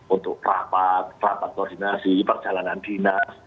untuk rapat rapat koordinasi perjalanan dinas